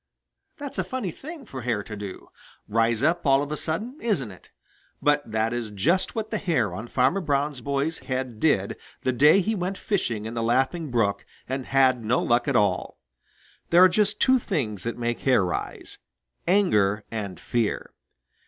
That's a funny thing for hair to do rise up all of a sudden isn't it? But that is just what the hair on Farmer Brown's boy's head did the day he went fishing in the Laughing Brook and had no luck at all. There are just two things that make hair rise anger and fear.